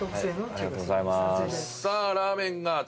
ありがとうございます。